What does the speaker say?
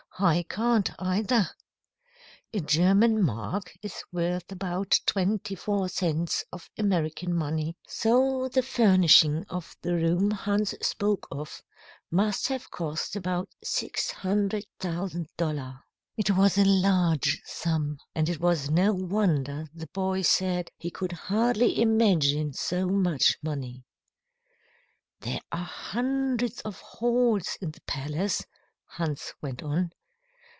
I can't, either." A German mark is worth about twenty four cents of American money, so the furnishing of the room Hans spoke of must have cost about $600,000. It was a large sum, and it is no wonder the boy said he could hardly imagine so much money. "There are hundreds of halls in the palace," Hans went on.